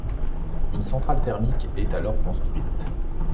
Une centrale thermique est alors construite.